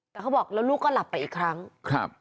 แต่เขาบอกแล้วลูกก็หลับไปอีกครั้งครับ